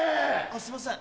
すいません。